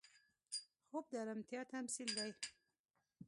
خوب د ارامتیا تمثیل دی